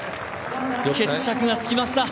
決着がつきました。